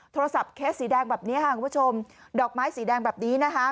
โทรศัพท์แค่สีแดงแบบนี้ครับค่ะดอกไม้สีแดงแบบนี้